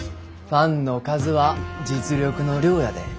ファンの数は実力の量やで。